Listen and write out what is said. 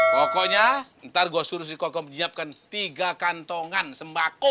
pokoknya ntar gua suruh si koko menyiapkan tiga kantongan sembako